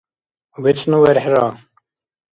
вецӀну верхӀра